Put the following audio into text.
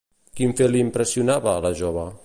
Quin fet li impressionava a la jove?